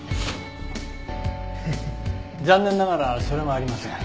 残念ながらそれもありません。